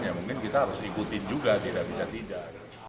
ya mungkin kita harus ikutin juga tidak bisa tidak